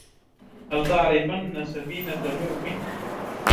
هل تعرفن سفينة نوح؟